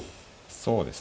そうですね。